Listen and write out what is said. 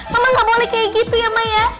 mama gak boleh kayak gitu ya maya